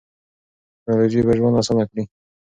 ټیکنالوژي به ژوند اسانه کړي.